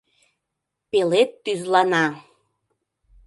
Пелед тӱзлана!